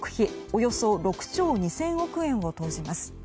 およそ６兆２０００億円を投じます。